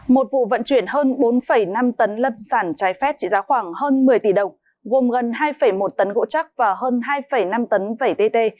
một vụ vận chuyển hơn bốn năm tấn lâm sản trái phép trị giá khoảng hơn một mươi tỷ đồng gồm gần hai một tấn gỗ chắc và hơn hai năm tấn vẩy tt